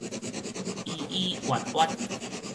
依依曰曰